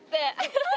ハハハハ！